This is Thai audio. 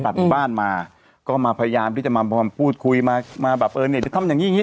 ตัดหมู่บ้านมาก็มาพยายามที่จะมาพูดคุยมาแบบเออเนี่ยทำอย่างนี้